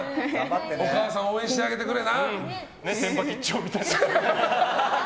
お母さん、応援してあげてな。